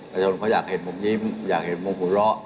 คนเขาอยากเห็นผมยิ้มอยากเห็นมงกูเลาะ